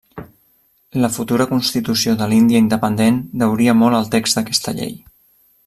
La futura Constitució de l'Índia independent deuria molt al text d'aquesta llei.